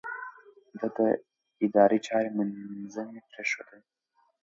ده د ادارې چارې منظمې پرېښودې.